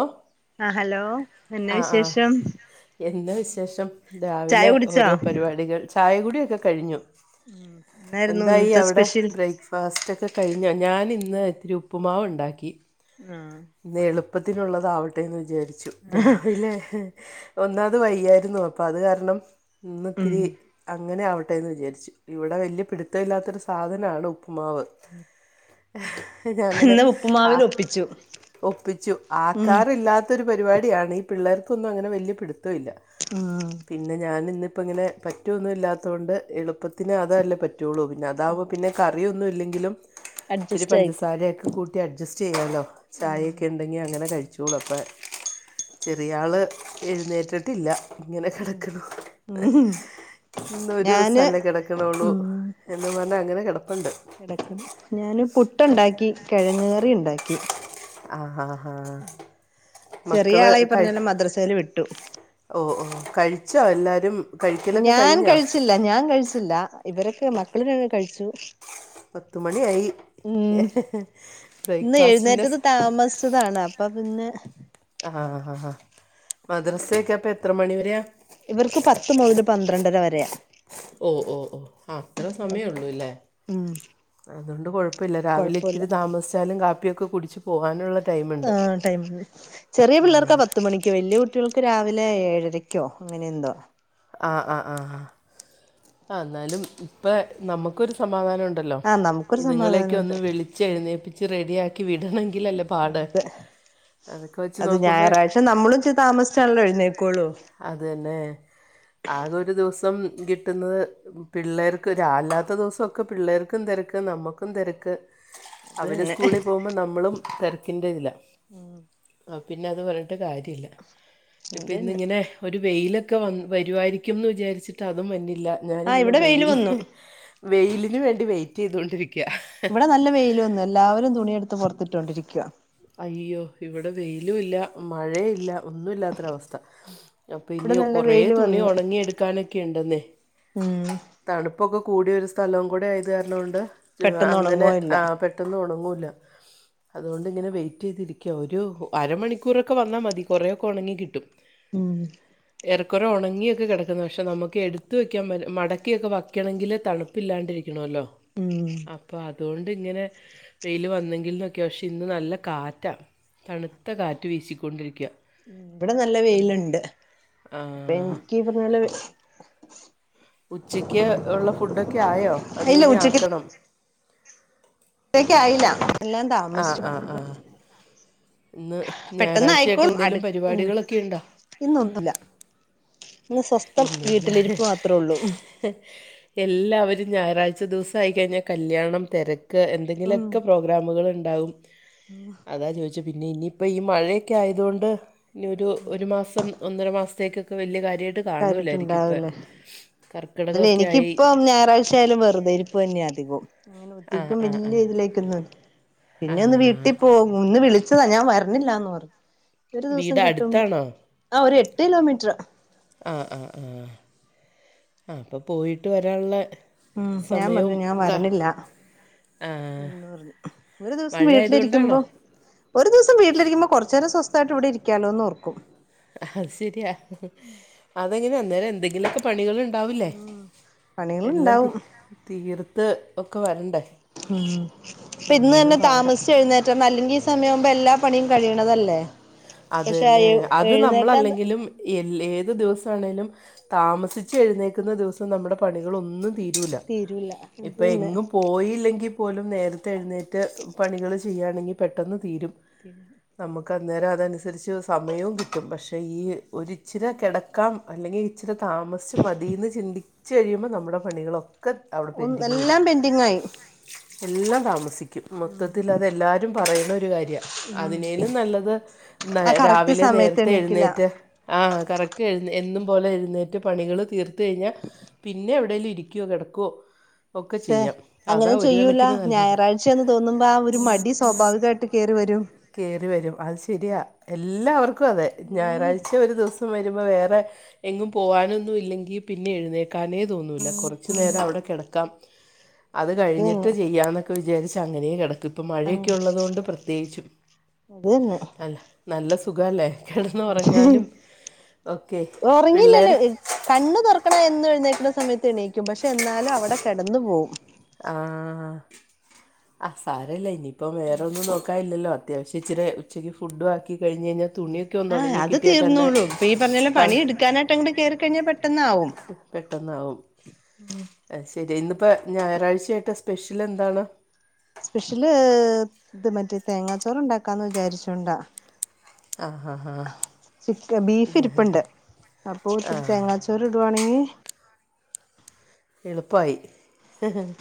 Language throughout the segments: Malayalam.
ആഹ് ആ ഹലോ എന്നാ ആഹ് ആഹ് വിശേഷം എന്നാ വിശേഷം ചായ രാവിലെ കുടിച്ചോ ഓരോ പരിപാടികൾ ചായകുടിയൊക്കെ കഴിഞ്ഞു ഉം എന്തായി അവിടെ ബ്രേക്ക്ഫാസ്റ്റ് ഒക്കെ കഴിഞ്ഞോ ഞാൻ ഇന്ന് ഇത്തിരി ഉപ്പുമാവ് ഇണ്ടാക്കി ആഹ് ഇന്ന് എളുപ്പത്തിലുള്ളതാവട്ടേന്ന് വിചാരിച്ചു രാവിലെ ഒന്നാമത് വയ്യായിരുന്നു അപ്പത് കാരണം ഉം ഇന്ന്ത്തിരി അങ്ങനെ ആവട്ടെ ട്ടെന്ന് വിചാരിച്ചു ഇവിടെ വല്യ പിടുത്തം ഇല്ലാത്തൊരു സാധനാണ് ഉപ്പുമാവ് ഞാങ്ങനെ ഇന്ന് ഉപ്പുമാവിൽ ആഹ് ഒപ്പിച്ചു ഒപ്പിച്ചു ഉം ആക്കാറില്ലാത്തൊരു പരിപാടിയാണ് ഈ പിള്ളേർക്കൊന്നും അങ്ങനെ വല്ല്യ പിടുത്തം ഇല്ല ആഹ് പിന്നെ ഞാൻ ഇന്നിപ്പം ഇങ്ങനെ പറ്റൊന്നും ഇല്ലാത്തോണ്ട് എളുപ്പത്തിന് അതല്ലേ പറ്റു പറ്റുള്ളൂ പിന്നെ അതാവുമ്പോ പിന്നെ കറിയൊന്നും ഇല്ലെങ്കിലും ഇത്തിരി അഡ്ജസ്റ്റ് ആയിക്കും പഞ്ചസാരയൊക്കെ കൂട്ടി അഡ്ജസ്റ്റ് ചെയ്യാല്ലോ ഉം ചായയൊക്കെ ഉണ്ടെങ്കിൽ അങ്ങനെ കഴിച്ചോളൂ അപ്പെ ചെറിയാള് എഴുന്നേറ്റിട്ടില്ല ഇങ്ങനെ കിടക്ക്ണു ഉം ഞാന് ഇന്നൊരൂസല്ലേ കിടക്ക്ണോള്ളു ഉം എന്നും പറഞ്ഞ് അങ്ങനെ കെടപ്പുണ്ട് കെടക്കണ് ഞാന് പുട്ടുണ്ടാക്കി കിഴങ്ങ് കറി ഇണ്ടാക്കി ആഹാഹാ ചെറിയ മക്കള് ആളെ ഈ പറഞ്ഞ കഴി പോലെ മദ്രസയിൽ വിട്ടു ഓ ഓ കഴിച്ചാ എല്ലാരും ഞാൻ കഴിച്ചില്ല ഞാൻ കഴിച്ചില്ല ഇവരൊക്കെ മക്കള് രൺ കഴിച്ചു പത്തുമണി ആയി ഉം ബ്രേക്ക്ഫാസ്റ്റിന്റെ സ് ച്ചതാണ് അപ്പൊ പിന്നെ ആ ഹ ആ ഹാ ഹാ ഹാ മദ്രസേക്കെപ്പം എത്ര മണിവരെയാ ഇവർക്ക് പത്ത് മുതൽ പന്ത്രണ്ടര വരെ ഓ ഓ ഓ അത്ര സമയെള്ളൂല്ലേ ഉം അതുകൊണ്ട് കുഴപ്പെല്ല രാവിലെ കൊഴപ്പല്ല ഇത്തിരി താമസിച്ചാലും കാപ്പിയൊക്കെ കുടിച്ചു ആഹ് ടൈം ചെറിയ ആ പിള്ളേർക്കാ പത്ത് മണിക്ക് വല്യ കു ട്ടികൾക്ക് രാവിലെ ഏഴരക്കോ അങ്ങനെ എന്തോ ആഹ് ആഹ് ആഹ് ആഹ് ആഹ് ന്നാലും ഇപ്പെ നമുക്കൊരു സമാധാനം ഉണ്ടല്ലോ ആഹ് നമുക്കൊരു നിങ്ങളേയൊക്കെ സമാധാനണ്ട് ഒന്ന് വിളി ച്ചെഴുന്നേപ്പിച്ച് റെഡിയാക്കി വിടണെങ്കിലല്ലേ തെ അത് നോക്കുമ്പോൾ ഞായറാഴ്ച നമ്മളും ഇച്ചിരി താമസിച്ചാണല്ലോ എഴുന്നേക്കുള്ളൂ അതന്നെ ആകെ ഒരു ദിവസം കിട്ടുന്നത് പിള്ളേർക്കൊരാ അല്ലാത്ത ദിവസോക്കെ പിള്ളേർക്കും തിരക്ക് നമ്മുക്കും തെരക്ക് അത് അവര് തന്നെ സ്കൂളി പോകുമ്പോ നമ്മളും തെരക്കിന്റെ ഇതില ആഹ് പിന്നെ അത് പറഞ്ഞിട്ട് കാര്യല്ല അത് ഇപ്പ ഇര്ന്ന് തന്നെ ഇങ്ങനെ ഒരു വെയിലൊക്കെ വന് വരുവായിരിക്കുംന്ന് വിചാരിച്ചിട്ട് അതും വന്നില്ല ആഹ് ഞാനിങ്ങനെ ഇവിടെ വെയില് വന്നു വെയിലിന് വേണ്ടി വെയിറ്റ് ചെയ്തോണ്ടിരിക്യാ ഇവിടെ നല്ല വെയില് വന്ന് എല്ലാവരും തുണിയെടുത്ത് പുറത്തിട്ടൊണ്ടിരിക്കുവ അയ്യോ ഇവിടെ വെയിലും ഇല്ല മഴേയില്ല ഒന്നും ഇല്ലാത്തൊരവസ്ഥ അപ്പൊ ഇവിടെ ഇനി നല്ല കുറെ വെയില് തുണി വന്നു ഉണങ്ങി എടുക്കാനൊക്കെ ഉണ്ടെന്നേ ഉം തണുപ്പൊക്കെ കൂടിയൊരു സ്ഥലോം കൂടെ ആയത്കാരണോണ്ട് ജ് പെട്ടെന്ന് അങ്ങനെ ഉണങ്ങുവേം ഇല്ല ആഹ് പെട്ട് ട്ടന്ന് ഒണങ്ങുല്ല അതുകൊണ്ട് എങ്ങനെ വെയിറ്റ് ചെയ്തിരിക്ക ഒരു അരമണിക്കൂറൊക്കെ വന്നാ മതി കുറെയൊക്കെ ഒണങ്ങി കിട്ടും ഉം ഏറക്കുറെ ഒണങ്ങിയൊക്കെ കിടക്കുന്നു പക്ഷെ നമുക്ക് എടുത്ത് വയ്ക്കാൻ മടക്കിയൊക്കെ വയ്ക്കണെങ്കില് തണുപ്പില്ലാണ്ടിരി ക്കണോല്ലോ ഉം അപ്പ അത് കൊണ്ട് ഇങ്ങനെ വെയില് വന്നെങ്കിൽ എന്നൊക്കെ പക്ഷെ ഇന്ന് നല്ല കാറ്റാ തണുത്ത കാറ്റ് വീശിക്കൊണ്ടിരിക്കു ഇവിടെ നല്ല വെയിലുണ്ട് ആ, അപ്പൊ എനിക്കി പറഞ്ഞപോലെ ഉച്ചയ്ക്ക് ഉള്ള ഫുഡൊക്കെ ആയോ അതോ ഇല്ല ഇനി ആക്കണോ ത്തേക്കായില്ല എല്ലാം ആ താമസിച്ചു ആ ആ ഇന്ന് പെട്ടെന്ന് ഞായറാഴ്ചയായിട്ട് ആയിക്കോളും അടു എന്തേലും ഉം പരിപാടികളൊക്കെ ഇണ്ടോ? ഇന്നൊന്നുല്ല ഇന്ന് സ്വസ്ഥം വീട്ടിലിരിപ്പ് മാത്രേ ഒള്ളൂ ഹ് എല്ലാവരും ഞായറാഴ്ച ദിവസം ആയിക്കഴിഞാൽ കല്യാണം തെര ക്ക്‌ ഉം എന്തെങ്കിലൊക്കെ പ്രൊ ഗ്രാമുകളുണ്ടാവും അതാ ചോയിച്ചേ പിന്നെ ഇനിയിപ്പ ഈ മഴയൊക്കെ ആയതുകൊണ്ട് ഇനി ഒരു ഒരു മാസം ഒന്നര മാസത്തേക്കൊക്കെ വലിയ കാര്യ ര്യായിട്ട് കാണുല്ലാരിക്കും ഇപ്പ കാര്യായിട്ടുണ്ടാവൂലേ കർക്കിടകൊക്കെ ആയി ച്ചയാലും വെറുതെരിപ്പ് തന്നെയ അധികോം ഇങ്ങനെ ആ ഒത്തിക്കും ആ ആ വലിയ ഇതിലേക്കൊന്നും ആ പിന്നെ ഒന്ന് വീട്ടി പോകും ഇന്ന് വിളിച്ചതാ ഞാൻ വരണില്ലാന്ന് പറഞ് ഒരു ദിവസം വീട് കിട്ടും അടുത്താണോ ആഹ് ഒരു എട്ട് കിലോമീറ്ററ് ആഹ് ആഹ് ആഹ് ആഹ് അപ്പ പോയിട്ട് വരാൻള്ളെ ഉം ഞാൻ പറഞ്ഞു ഞാൻ വരണില്ല ആ എന്ന് പറഞ്ഞു ഒരു ദിവസം മഴയായതുകൊണ്ടാണോ വീട്ടിലിരിക്കുമ്പോ ഒരു ദിവസം വീട്ടിലിരിക്കുമ്പോ കുറച്ച് നേരം സ്വസ്ഥായിട്ട് ഇവിടെ ഇരിക്കാലോന്ന് ഓർക്കും അത് ശരിയാ അതെങ്ങനെ അന്നേരം എന്തെങ്കിലൊക്കെ പണികള് ണ്ടാവില്ലേ ഉം എല്ലാം തീ പണികളുണ്ടാവും തീർത്ത് ഒക്കെ വരണ്ടേ ആഹ് അപ്പൊ ഇന്ന് അന്നേരം തന്നെ പാടാ താമസിച്ച് എഴുന്നേ റ്റണ് അല്ലെങ്കി ഈ സമയാകുമ്പ എല്ലാ പണിയും കഴിയണതല്ലേ അത് പക്ഷെ തന്നെ അത് എഴുന്നേക്കാൻ നമ്മളല്ലെങ്കിലും എല്ല് ഏത് ദിവസാണേലും താമസിച്ച് എഴുന്നേക്കുന്ന ദിവസം നമ്മുടെ പണികൾ ഒന്നും തീരൂല തീരൂല ഇത് ഇപ്പൊ പിന്നെ എങ്ങും പോയില്ലെങ്കി പോലും നേരത്തെ എഴുന്നേറ്റ് പണികള് ചെയ്യാണെങ്കി പെട്ടെന്ന് തീരും തീരും നമുക്ക് അന്നേരം അതനുസ് സരിച്ച് സമയോം കിട്ടും പക്ഷെ ഈ ഒരിച്ചിരെ കിടക്കാം അല്ലെങ്കി ഇച്ചിരി താമസിച്ച് മതിന്ന് ചിന്തിച്ച് കഴിയുമ്പോ നമ്മുടെ പണികളൊക്കെ അവിടെ ഒന്ന് പെൻഡിങ് വരും എല്ലാം പെന്റിങ്ങായി എല്ലാം താമസിക്കും മൊത്തത്തിൽ അത് എല്ലാരും പറയുന്ന ഒരു കാര്യ ഉം അതിനേലും നല്ലത് നെ ആ കറക്റ്റ് രാവിലെ സമയത്ത് നേരത്തെ എണീക്കില്ല എഴുന്നേറ്റ് ആഹ് കറക്റ്റ് എഴുന്ന എന്നും പോലെ എഴുന്നേറ്റ് പണികള് തീർത്ത് കഴിഞ്ഞാ പിന്നെ എവിടെലും ഇരിക്കുവോ കെടക്കുവോ ഒക്കെ പക്ഷെ ചെയ്യാം അതാ അങ്ങനെ ഒരു ചെയ്യൂല കണക്കിന് നല്ലത് ഞായറാഴ്ചന്ന് തോന്നുമ്പോ ആ ഒരു മടി സ്വാഭാവികമായിട്ട് കേറി വരും കയറി വരും അത് ശരിയാ എല്ലാവർക്കും അതെ ഉം ഞായറാഴ്ച ഒരു ദിവസം വരുമ്പോൾ വേറെ എങ്ങും പോവാനൊന്നും ഇല്ലെങ്കി പിന്നെ എഴുന്നേക്കാനേ തോന്നൂല്ല കുറ ച്ച് നേരം അവിടെ കിടക്കാം അത് ഉം കഴിഞ്ഞിട്ട് ചെയ്യാന്നൊക്കെ വിചാരിച്ച് അങ്ങനെയും കിടക്കും ഇപ്പോ ആഹ് മഴയൊക്കെ ഉള്ളതുകൊണ്ട് പ്രത്യേകിച്ചും അത് തന്നെ നല്ല നല്ല സുഖല്ലേ കിടന്ന് ഉറങ്ങാനും ഒക്കെ പിള്ളേർ ഉറങ്ങിയില്ലല്ലോ കണ്ണ് തുറക്കണ എന്നു എഴുന്നേക്കണ സമയത്ത് എണീക്കും പക്ഷെ എന്നാലും അവിടെ കിടന്നു പോവും ആഹ് ആഹ് സാരവില്ല ഇനിയിപ്പ വേറൊന്നും നോ ക്കായില്ലല്ലോ അത്യാവശം ഇച്ചിരി ഉച്ചക്ക് ഫുഡ് ആക്കി കഴിഞ്ഞ് കഴിഞ്ഞാൽ തുണിയൊ ആഹ് അത് തീർന്നോളൂ ഇപ്പൊ ഈ പറഞ്ഞോല്ലെ പ പണി എടുക്കാനായിട്ട് അങ്ങോട്ട് കേറിക്കഴിഞ്ഞാൽ പെട്ടന്നാവും പെട്ടെന്നാവും അയ്ശരി ഇന്നിപ്പോ ഞായറാഴ്ചയായിട്ട് സ്പെഷ്യൽ എന്താണ് സ്പെഷ്യല് ഇത് മറ്റേ തേങ്ങാച്ചോറ് ഉണ്ടാക്കാന്ന് വിചാരിച്ചോണ്ടാ ആ ഹാ ഹാ ബീഫ് ഞാൻ ഇരിപ്പുണ്ട് അപ്പൊ ആ ഇത്തി തേങ്ങ ചോ ചെറുവിടുവാണെങ്കി എളുപ്പയി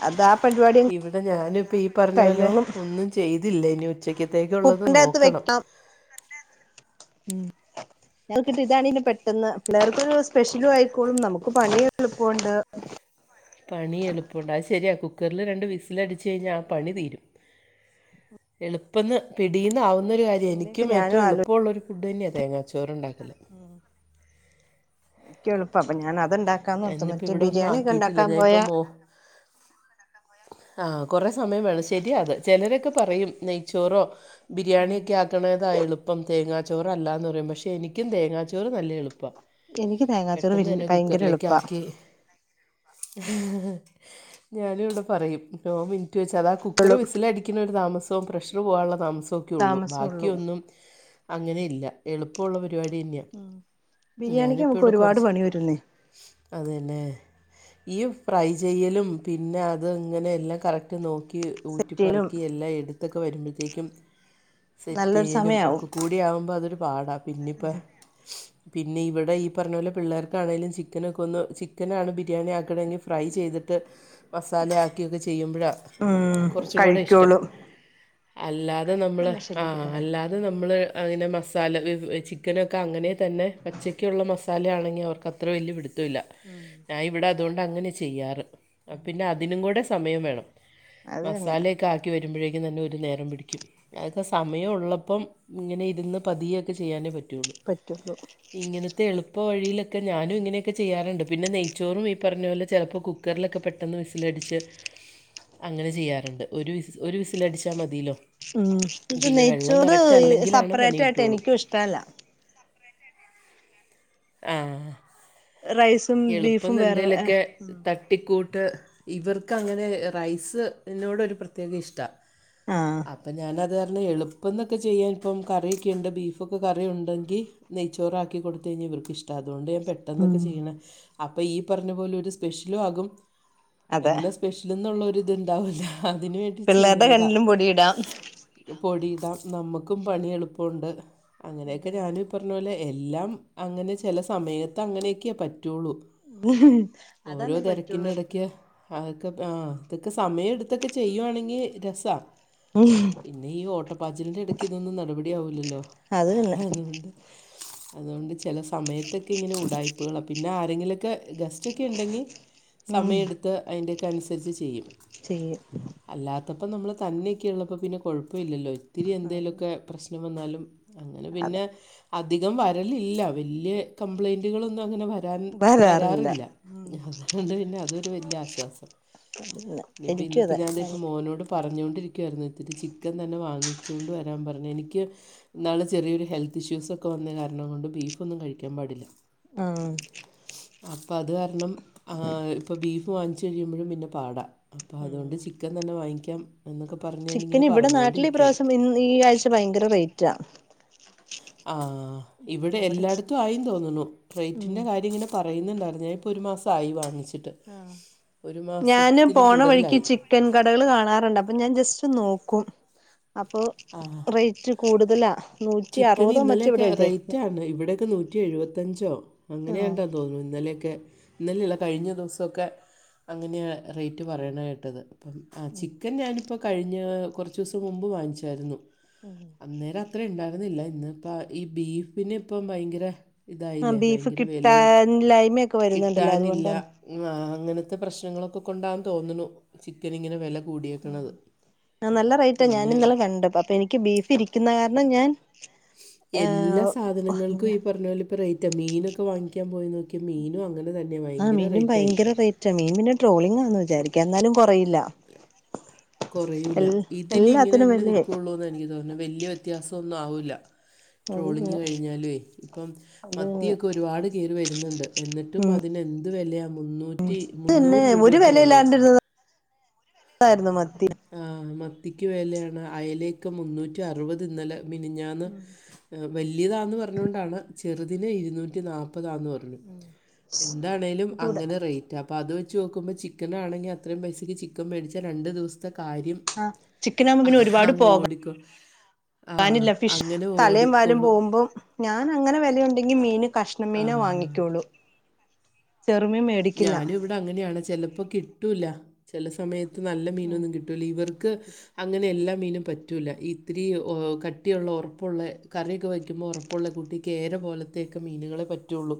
അത് ആ പരിപാടി ഇവിടെ ഞാനും ഇപ്പ ഈ പറഞ്ഞ പോലെ കഴിഞ്ഞോളും ഒന്നും ചെയ്തില്ല ഇനി ഉച്ചയ്ത്തേക്ക്‌ ഉള്ളത് കുക്കിന്റെ അകത്ത് നോക്കണം വെക്കാം ഉം ഞങ്ങൾക്ക് ഇതാണി പെട്ടെന്ന് പിള്ളേർക്കൊരു സ്പെഷ്യലും ആയിക്കോളും നമുക്ക് പണി എളുപ്പോണ്ട് പണി എളുപ്പവുണ്ട് അത് ശരിയാ കുക്കറിൽ രണ്ട് വിസിൽ അടിച്ച് ആഹ് കഴിഞ്ഞാൽ ആഹ് പണി തീരും എളുപ്പന്ന് പിടിന്ന് ആവുന്ന ഒരു കാര്യാ അങ്ങനെയൊക്കെ എനിക്കും ഞാനും ഏറ്റവും ആലോചി എളുപ്പവുള്ളൊരു ഫുഡ് തന്നെയാണ് തേങ്ങാച്ചോറ് ഉണ്ടാക്കല് ക്ക്‌ എളുപ്പ അപ്പോ ഞാൻ അതുണ്ട ഇന്നിപ്പോ ഇവിടെ ഒന്നും ആക്കിയിട്ടില്ല ഞാനിപ്പ മോ ആഹ് കൊറെേ സമയം വേണം ശരിയാ അത് ചിലരൊക്കെ പറയും നെയ്ച്ചോറോ ഉം ബിരിയാണിയൊക്കെ ആക്കണതാ എളുപ്പം തേങ്ങ ചോറ് അല്ലാന്ന് പറയും പക്ഷെ എനിക്കും തേങ്ങാച്ചോറ് നല്ല എളുപ്പാ എനിക്ക് തേങ്ങാച്ചോറ് ഭയ ഭയങ്കര എളു ബാക്കി ഞാനും ഇവിടെ പറയും നോ മിനിറ്റ് വെച്ച് അതാ കുക്കർ ളും വിസിലടിക്കുന്ന ഒരു താമസവും പ്രഷറ് പോവാനുള്ള താമസോക്കെ ഉള്ളൂ താമസൊള്ളൂ ബാക്കിയൊന്നും അങ്ങനെ ഇല്ല എളുപ്പവുള്ള പരിപാടി തന്നെയാ ഉം ബിരിയാണിക്ക് ഞാനിപ്പോൾ നമുക്ക് ഇവിടെ ഒരുപാട് കുറച്ച് പണി വരുന്നേ അതന്നെ ഇയ് ഫ്രൈ ചെയ്യലും പിന്നെ അത് ഇങ്ങനെ എല്ലാം കറക്റ്റ് നോക്കി ഈ ഊറ്റി സെറ്റെയ്യലും പറക്കി എല്ലാ എട്ത്താെക്കെ വരുമ്പത്തേക്കും നല്ലൊരു സെറ്റെയ്യലും സമയാവും ഒക്കെ കൂ കൂടി ആവുമ്പോ അതൊരു പാടാ പിന്നെ ഇപ്പം പിന്നെ ഇവടെ ഈ പറഞ്ഞാേലെ പിള്ളേർക്കാണെലും ചിക് ക്കനൊക്കെ ഒന്ന് ചിക്കനാണ് ബിരിയാണി ആക്കണെങ്കി ഫ്രൈ ചെയ്തിട്ട് മസാല ആക്കിയൊക്കെ ചെയ്യുമ്പ്ഴാേ ഉം കാെറച്ചും കൂടെ ഇഷ്ടം കഴിക്കോളൂ അല്ലാതെ നമ്മൾ ഇത് മെഷീനിലേക്ക് ആഹ് ഇട്ടേരെ അല്ലാ ത് നമ്മള് അതിനെ മസാല വെവെ ചിക്കനൊക്കെ അങ്ങനെ തന്നെ പച്ചയ്ക്കുള്ള മസാലയാണെങ്കി അവർക്ക് അത് അത്ര വല്ല്യ പിടുത്തവില്ല ഉം ഞാൻ ഇവിടെ അതാേണ്ട് അങ്ങനെ ചെയ്യാറ് പിന്നെ അതിനും കൂടെ സമയം വേണം അത് തന്നെ മസാലേ ക്കെ ആക്കി വരുമ്പെഴേക്കും തന്നെ ഒരു നേരം പിടിക്കും അഅക്കെ സമയം ഉള്ളപ്പം ഇങ്ങനെ ഇരുന്ന് പതിയെക്കെ ചെയ്യാനേ പറ്റുള്ളൂ പറ്റുള്ളൂ തെഎളുപ്പ വഴിയിലൊക്കെ ഞാനും ഇങ്ങനെ ക്കെ ചെയ്യാറ്ണ്ട് പിന്നെ നെയ്ച്ചോറും ഈ പറഞ്ഞാേലെ ചെലപ്പോ കുക്കർലൊക്കെ പെട്ടെന്ന് വിസിലടിച്ച് അങ്ങനെ ചെയ്യാറ്ണ്ട് ഒരു വിസ് ഒരു വിസിലടിച്ചാ മതീലോ ഉം ഇൻക്ക് നെയ്ച്ചോറ് ഈ അല്ലെങ്കിലാണ് പണി സെപ്പറേറ്റ് ആയിട്ട് കിട്ടുള്ളൂ എനിക്കും ഇഷ്ട്ടല്ല ഏഹ് റൈസും ബീഫും വേറെ ട്ടിക്കൂട്ട് ഇവർക്ക് അങ്ങനെ റൈസ് നോട് ഒരു പ്രത്യേക ഇഷ്ട്ടാ ആഹ് അപ്പൊ ഞാനത് കാരണം എള് പ്പം ന്നൊക്കെ ചെയ്യാൻ ഇപ്പം കറിയൊക്കെയുണ്ട് ബീഫൊക്കെ കറി ഉണ്ടെങ്കി നെയ്ച്ചോറാക്കി കൊടുത്തഴിഞ്ഞാ ഇവർക്ക് ഇഷ്ട്ടാ അതുകൊണ്ട് പെട്ടന്നൊക്കെ ഉം ചെയ്യ്ണ അപ്പൊ ഈ പറഞ്ഞ പോലെ ഒരു സ്പെഷ്യലും ആകും അതെ എന്നസ് സ്പെഷ്യല്ന്നുള്ള ഒരിത് ഇതുണ്ടാവൂല അതിന് വേണ്ടി പിള്ളേരുടെ ചെയ്യ്ന്നതാ കണ്ണിലും പൊടിയിടാം പൊടിയിടാം നമ്മക്കും പണി എളുപ്പൊണ്ട് അങ്ങനെയെക്കെ അതന്നെ ഞാനും പറഞ്ഞ പോലെ എല്ലാം അങ്ങനെ ചെല സമയത്ത് അങ്ങനെയെക്ക്യെ പറ്റുള്ളു ഓരോ അതന്നേ പറ്റുള്ളൂ തെരക്കിന്റെ എടക്ക് എപ്പഴും അഅക്കെപ് ആഹ് ഇതൊക്കെ സമയം എടുത്തൊക്കെ ചെയ്യുവാണെങ്കി രസാ ഉം പിന്നെ ഈ ഓട്ടപ്പാചിലിന്റെ എടക്ക് ഇതൊന്നും നടപടി ആവൂല്ലല്ലോ അത് തന്നെ അതുകൊണ്ട് അതോണ്ട് ചെല സമയത്തൊക്കെ ഇങ്ങനെ ഉടായ്പ്പ്കളാ പിന്നെ ആരെങ്കിലൊക്കെ ഗസ്റ്റ്ക്കെ ഇണ്ടെങ്കി ഉം സമയെട്ത്ത് അയ്ൻ്റെക്കെ അനുസരിച്ച് ചെയ്യും ചെയ്യും അല്ലാത്തപ്പോ നമ്മള് തന്നെയൊക്കെള്ളപ്പോ പിന്നെ കൊഴപ്പാെഇല്ലല്ലോ ഇത്തിരി അത് എന്തേലൊക്കെ പ്രശ്നം വന്നാലും അങ്ങനെ അത് പിന്നെ അധികം വരലില്ല വല്ല്യ കംപ്ലൈന്റുകളൊന്നും അങ്ങനെ വര രാൻ വരാറില്ല അതോണ്ട് പിന്നെ അതൊ. രു വല്ല്യ ആശ്വാസം അതന്നെ എനിക്കും ഇനിപ്പഇന്ന്പ്പോ അതെ ഞാന് പ്പോ മോനോട് പറഞ്ഞോണ്ടിരിക്കുവായിര്ന്ന് ഇത്തിരി ചിക്കൻ തന്നെ വാങ്ങിച്ചാേണ്ട് വരാൻ പറഞ്ഞു എനിക്ക് ഇന്നാള് ചെറിയൊരു ഹെൽത്ത് ഇഷ്യൂസ് ഒക്കെ വന്ന കാരണം കൊണ്ട് ബീഫൊന്നും കഴിക്കാംപാടില്ല ആഹ് അപ്പൊ അത് കാരണം ആഹ് ഇപ്പ ബീഫ് വാങ്ങിച്ച് കഴിയുമ്പഴും പിന്നെ പാടാ അപ്പൊ ഉം അതോണ്ട് ചിക്കൻ തന്നെ വാങ്ങിക്കാം എന്നൊക്കെ പറഞ്ഞ് ഞാനിങ്ങനെ ചിക്കന് ഇവിടെ നാട്ടില് ഈ പറഞ്ഞുകൊണ്ടിരിക്കുകയായിരുന്നു പ്രാവശ്യം ഇന്ന് ഈ ആഴ്ച ഭയങ്കര റേയ്റ്റാ ആഹ് ഇവിടെ എല്ലാട്ത്തും ആയിം തോന്നുന്നു ഉം റേയ്റ്റിന്റെ കാര്യം ഇങ്ങനെ പറയുന്നുണ്ടായിരുന്നു ഞാ ഇപ്പോ ഒരു മാസായി വാങ്ങിച്ചിട്ട് ആഹ് ഒരു ഞാന് മാസത്തിലും പോണ വഴിക്ക് കൂടുതലായി ചിക് ക്കൻ കടകള് കാണാറ്ണ്ട് അപ്പോ ഞാൻ ജസ്റ്റ് നോക്കും അപ്പോ ആ റേയ്റ്റ് കൂടുതലാ നൂറ്റി ചിക്കന് അറുപതോ മറ്റോ ഇന്നലെയൊക്കെ ഇവിടെ റേറ്റ് എഴുതിയേക്കുന്നെ ആണ് ഇവിടെയൊക്കെ നൂറ്റി എഴുവത്തഞ്ചോ ആഹ് അങ്ങനെയാണ്ടോ തോന്നുന്നു ഇന്നലെക്കെ ഇന്നലെയല്ല കഴിഞ്ഞ ദൂസാെക്കെ അങ്ങനെയാ റേറ്റ് പറയണ കേട്ടത് അപ്പം ആ ചിക്കൻ ഞാനിപ്പോ കഴിഞ്ഞ കുറച്ച് ദിവസം മുമ്പ് വാങ്ങിച്ചായിരുന്നു ഉം അന്നേരം ഇത്ര ഉണ്ടായിരുന്നില്ല ഇന്ന് ഇപ്പ ഈ ബീഫിന് ഇപ്പം ഭയങ്കര ആഹ് ഇതായില്ലേ ബീഫ് ഭയങ്കര വിലയും കിട്ടാൻല്ലായ്മയൊക്കെ വരുന്നുണ്ടല്ലോ അതുകൊണ്ടാണ് ആഹ് അങ്ങനത്തെ പ്രശ്നങ്ങളൊക്കെ കൊണ്ടാ തോന്നുണു ചിക്കനിങ്ങനെ വെല ആ നല്ല റേറ്റാ ഞാൻ പിന്നെ ഇന്നലെ കണ്ട് അപ്പൊ എനിക്ക് ബീഫ് ഇരിക്കുന്ന കാരണം ഞാൻ എല്ലാ ഏഹ് സാധനങ്ങൾക്കും ഈ പറഞ്ഞ പോലെ ഇപ്പൊ റേറ്റ മീനൊക്കെ വാങ്ങിക്കാൻ പോയി നോക്കിയെ മീനും അങ്ങനെ തന്നെയാ ഭയങ്കര റേറ്റ് ആയി [unintelligible] മീൻന് ട്രോളിങ്ങാന്ന് വിചാരിക്കാ എന്നാലും കൊറയില്ല കൊറയൂല്ല എൽ ഇതിനി ഇങ്ങനെ എല്ലാത്തിനും തന്നെ വെലയായി നിൽക്കയുള്ളൂന്ന് എനിക്ക് തോന്നുന്നു വല്ല്യ വ്യത്യാസംന്നും ആവൂല്ല അത് തന്നെ ട്രോളിംങ് കഴിഞ്ഞാലുവേ ഇപ്പം അത് തന്നെ മത്തിയൊക്കെ അത് ഒരുപാട് കേറി വരുന്നുണ്ട് എന്നിട്ടും അതിന് എന്ത്‌ വെലയാ മുന്നൂ പിന്നെ ഒരു വെലല്ലാണ്ടിരുന്നതായിരുന്നു മത്തി ആഹ് മത്തിക്ക് വെലയാണ് അയലേക്ക് മുന്നൂറ്റി അറുപത് ഇന്നലെ മിനിഞാന്ന് വല്ല്യതാന്ന് പറഞ്ഞുകൊണ്ടാണ് ചെറുതിന് ഇരുന്നൂറ്റി നാൽപ്പതാന്ന് പറഞ്ഞത് എന്താണേലും ഇതൂടെ അങ്ങനെ റേറ്റാ അപ്പോൾ അത് വെച്ച് നോക്കുമ്പോ ചിക്കൻനാണെങ്കി അത്രയും പൈസക്ക് ചിക്കൻ മേടിച്ചാൽ രണ്ട് ദിവസത്തെ കാര്യം ആഹ് ചിക്കനാകുമ്പോ പിന്നെ ഒരുപാട് പോകാൻ ക്ക [unintelligible] ഫിഷ് തലയും വാലും ഓടിക്കോളും പോവുമ്പോ ഞാൻ അങ്ങനെ വെലയുണ്ടെങ്കി മീന് കഷ്ണം മീനേ ആ വാങ്ങിക്കുള്ളൂ ചെറുമീൻ മേ ഞാനും ഇവിടെ അങ്ങനെയാണ് ചെലപ്പോ കിട്ടൂല്ല ചില സമയത്ത് നല്ല ഉം മീനൊന്നും കിട്ട ട്ടൂല്ല ഇവർക്ക് കിട്ടും അങ്ങനെ എല്ലാ മീനും പറ്റൂല്ല ഇത്തിരി കട്ടിയുള്ള ഒറപ്പുള്ള കറിയൊക്കെ വയ്ക്കുമ്പോൾ ഒറപ്പുള്ള കുട്ടി കേര പോലത്തെയൊക്കെ മീനുകളെ പറ്റുളു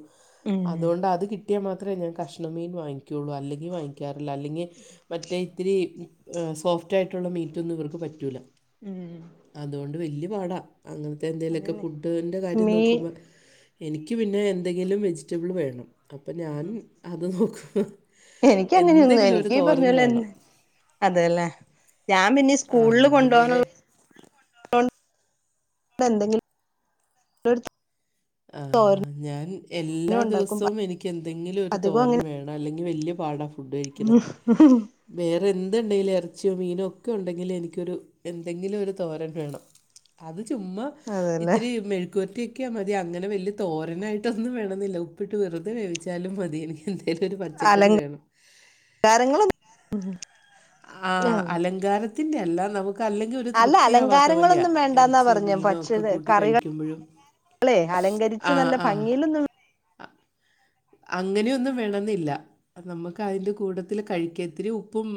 അതുകൊണ്ട് അത് കിട്ടിയാൽ മാത്രമേ ഞാൻ കഷ്ണ മീൻ വാങ്ങിക്കുള്ളു അല്ലെങ്കിൽ വാങ്ങിക്കാറില്ല അല്ലെങ്കിൽ മറ്റേ ഇത്തിരി സോഫ്റ്റ് ആയിട്ടുള്ള മീറ്റൊന്നും ഇവർക്ക് പറ്റൂല ഉം അതുകൊണ്ട് വല്യ പാടാ അങ്ങൻത്തെ എന്തേലൊക്കെ അതന്നെ ഫുഡിന്റെ കാര്യം മീൻ നോക്കുമ്പോ എനിക്ക് പിന്നെ എന്തെങ്കിലും വെജിറ്റബിൾ വേണം അപ്പൊ ഞാൻ അത് നോക്കു എനിക്ക അങ്ങനെയൊന്നും എനിക്ക് ഈ പറഞൊലേന്നെ വേണം അതല്ലേ ഞാൻ പിന്നെ ആഹ് സ്കൂളില് എന്തെങ്കില് കൊണ്ടുപോകാനുള്ള ത് എന്തെങ്കിലും ആ, [unintelligible] ഞാൻ എല്ലാ ഉണ്ടാക്കും ദിവസവും എനിക്ക് എന്തെങ്കിലും ഒരു അധികം തോരൻ അങ്ങനെ വേണം അല്ലെങ്കിൽ വല്ല്യയ പാടാ ഫുഡ് കഴിക്കാൻ വേറെ എന്ത്ണ്ടെലും ഇറച്ചിയോ മീനോ ഒക്കെ ഉണ്ടെങ്കിൽ എനിക്കൊരു എന്തെങ്കിലും ഒരു തോരൻ വേണം അത് ചുമ്മാ അതല്ലേ ഇത്തിരി മെഴുക്കുവറ്റിയാക്കിയ മതി തി അങ്ങനെ വലിയ തോരനായിട്ടൊന്നും വേണന്ന്ല്ല ഉപ്പിട്ട് വെറുതെ വേവിച്ചാലും മതിയെനിക്ക് എന്തെലും ഒരു പച്ചക്കറി വേണം എറങ്ങ്ണൊ [unintelligible] ആഹ് അലങ്കാരത്തിന്റെ അല്ലാം നമുക്ക് ക്കഅല്ലെങ്കിൽ ഒരു അല്ല തൃപ്തി ആവാത്ത പോലെയാ അലങ്കാരങ്ങളൊന്നും വേണ്ടാന്നാ ഇറച്ചിയോ പറഞ്ഞ മീനോ ഒക്കെ കൂട്ടി കഴിക്കുമ്പഴും നമ്മളെ അലങ്കരിച്ച് നല്ല ഭംഗിലോന്നും അങ്ങനെയൊന്നും വേണെന്നില്ല നമുക്ക് അതിന്റെ കൂട്ടത്തില് കഴിക്ക ഇത്തിരി ഉപ്പും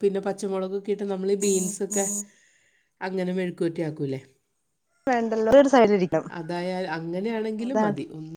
പിന്നെ പച്ചമുളകൊക്കെ ഇട്ട് നമ്മള് ബീൻസ് ക്കെ അങ്ങനെ മെഴുക്കോറ്റി ആക്കൂല്ലേ വേണ്ടല്ലോ ഒരു സൈഡിലിരിക്കണം അതായ അങ്ങനെയാണെങ്കിലും അതാണ് മതി ഉം